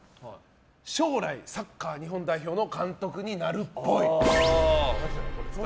将来サッカー日本代表の監督になるっぽい。